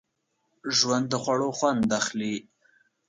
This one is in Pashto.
ژوندي د خوړو خوند اخلي